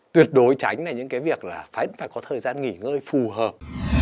tuyệt đối tránh những cái việc là phải có thời gian nghỉ ngơi phù hợp